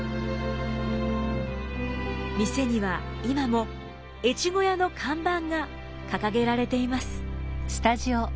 店には今も越後屋の看板が掲げられています。